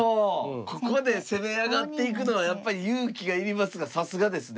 ここで攻め上がっていくのはやっぱり勇気がいりますがさすがですね。